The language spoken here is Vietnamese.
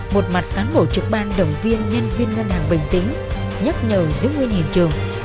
một mặt cán bộ trực ban động viên nhân viên ngân hàng bình tĩnh nhắc nhở giữ nguyên hiện trường